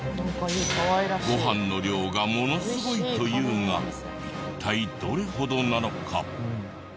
ご飯の量がものすごいというが一体どれほどなのか？